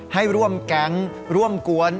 ให้ร่วมแก๊งร่วมกวน